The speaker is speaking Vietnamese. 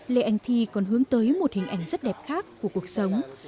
lê anh thi còn hướng tới một hình ảnh rất đẹp khác của cuộc sống